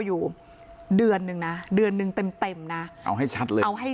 อยู่เดือนนึงนะเดือนหนึ่งเต็มเต็มนะเอาให้ชัดเลยเอาให้